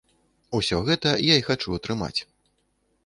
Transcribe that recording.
Усё гэта я і хачу атрымаць.